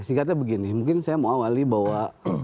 singkatnya begini mungkin saya mau awali bahwa